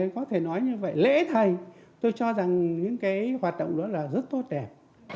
có thể nói như vậy lễ thầy tôi cho rằng những cái hoạt động đó là rất tốt đẹp